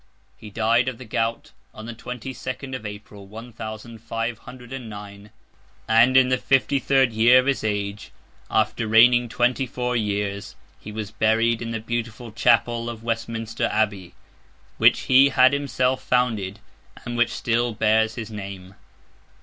He died of the gout, on the twenty second of April, one thousand five hundred and nine, and in the fifty third year of his age, after reigning twenty four years; he was buried in the beautiful Chapel of Westminster Abbey, which he had himself founded, and which still bears his name.